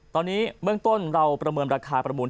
ตอนนี้เบื้องต้นเราประเมินราคาประมูล